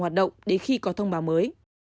hoạt động đến khi có thông báo mới